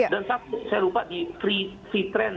dan satu saya lupa di free trade